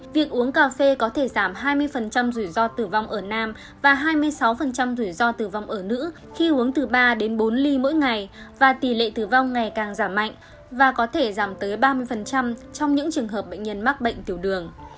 việc uống cà phê có thể giảm hai mươi rủi ro tử vong ở nam và hai mươi sáu rủi ro tử vong ở nữ khi uống từ ba đến bốn ly mỗi ngày và tỷ lệ tử vong ngày càng giảm mạnh và có thể giảm tới ba mươi trong những trường hợp bệnh nhân mắc bệnh tiểu đường